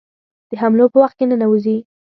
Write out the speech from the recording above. د حملو په وخت کې ننوزي.